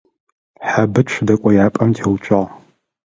Хьэбыцу дэкӏояпӏэм теуцуагъ.